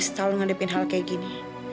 aku udah lima belas tahun ngadepin hal kayak gini